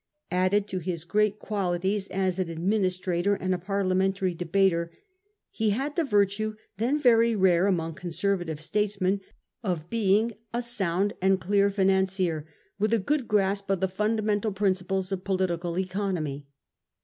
Added to his great qualities as an ad ministrator and a Parliamentary debater, he had the virtue, then very rare among Conservative states men, of being a sound and clear financier, with a good grasp of the fundamental principles of political economy.